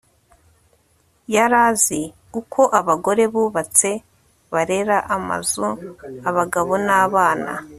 Yari azi uko abagore bubatse barera amazu abagabo nabana